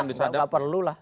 enggak lah enggak perlu lah